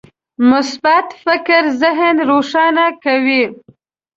مثبت فکر ذهن روښانه کوي.